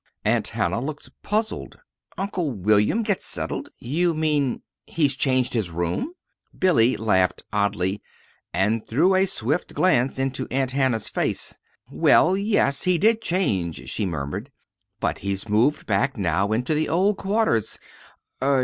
Aunt Hannah looked puzzled. "Uncle William get settled? You mean he's changed his room?" Billy laughed oddly, and threw a swift glance into Aunt Hannah's face. "Well, yes, he did change," she murmured; "but he's moved back now into the old quarters.